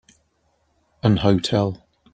An hotel.